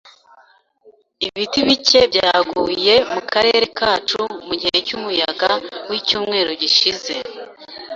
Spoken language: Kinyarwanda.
Ibiti bike byaguye mukarere kacu mugihe cyumuyaga wicyumweru gishize.